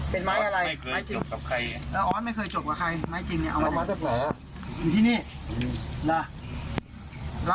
เป็นไม้อะไรไม้จริงไม่เคยจบกับใครไม้จริงเนี่ยเอามาจากไหนอ่ะ